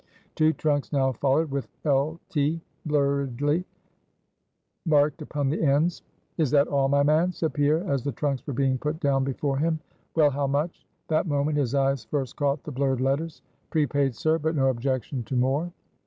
Two trunks now followed, with "L. T." blurredly marked upon the ends. "Is that all, my man?" said Pierre, as the trunks were being put down before him; "well, how much?" that moment his eyes first caught the blurred letters. "Prepaid, sir; but no objection to more."